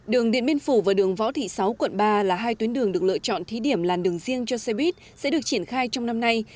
đường điện biên phủ và đường võ thị sáu quận ba là hai tuyến đường được lựa chọn thí điểm làn đường riêng cho xe buýt sẽ được triển khai trong năm nay